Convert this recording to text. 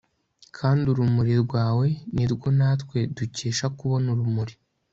kandi urumuri rwawe ni rwo natwe dukesha kubona urumuri